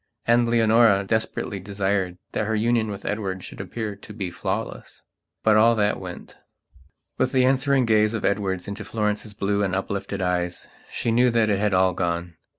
And Leonora desperately desired that her union with Edward should appear to be flawless. But all that went.... With the answering gaze of Edward into Florence's blue and uplifted eyes, she knew that it had all gone.